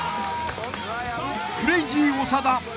［クレイジー長田３連勝］